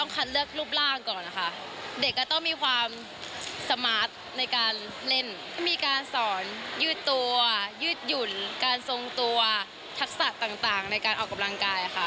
มีการสอนยืดตัวยืดหยุ่นการทรงตัวทักษะต่างในการออกกำลังกายค่ะ